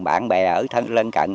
bạn bè ở thân lân cận